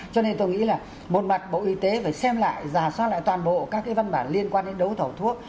cho nên tôi nghĩ là một mặt bộ y tế phải xem lại giả soát lại toàn bộ các cái văn bản liên quan đến đấu thầu thuốc